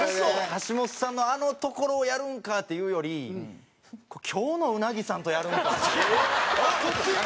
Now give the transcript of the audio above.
橋本さんのあのところをやるんかっていうより今日の鰻さんとやるんかっていう。